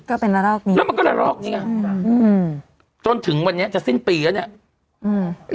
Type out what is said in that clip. ก็เป็นละลอกนี้แล้วมันก็ละลอกนี้ไงอืมจนถึงวันนี้จะสิ้นปีแล้วเนี้ยอืม